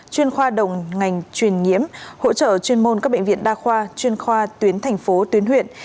chuyên khoa đồng ngành truyền nhiễm hỗ trợ chuyên môn các bệnh viện đa khoa chuyên khoa tuyến thành phố tuyến huyện